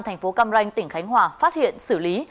thành phố cam ranh tỉnh khánh hòa phát hiện xử lý